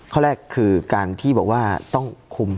ข้อแรกคือการที่บอกว่าต้องคุม